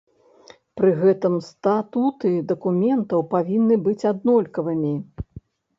Пры гэтым статуты дакументаў павінны быць аднолькавымі.